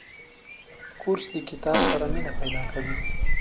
کورس د کتاب سره مینه پیدا کوي.